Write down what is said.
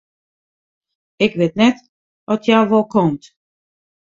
Ik wit net oft hja wol komt.